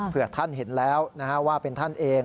เพื่อท่านเห็นแล้วว่าเป็นท่านเอง